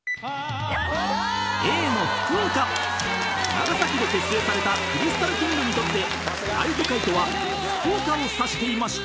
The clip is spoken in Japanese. ［長崎で結成されたクリスタルキングにとって大都会とは福岡を指していました］